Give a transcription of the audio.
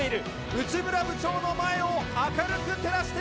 内村部長の前を明るく照らしています。